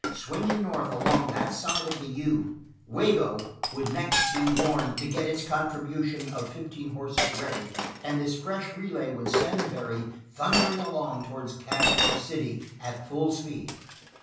Swinging north along that side of the U, Wago would next be warned to get its contribution of fifteen horses ready, and this fresh relay would send Barry thundering along towards Caswell City at full speed.